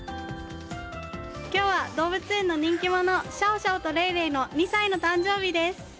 今日は動物園の人気者シャオシャオとレイレイの２歳の誕生日です。